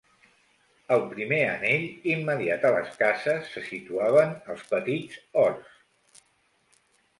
Al primer anell, immediat a les cases, se situaven els petits horts